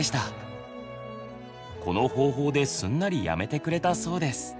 この方法ですんなりやめてくれたそうです。